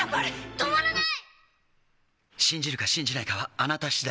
止まらない！